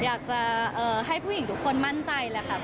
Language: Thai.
อยากจะให้ผู้หญิงทุกคนมั่นใจแหละค่ะ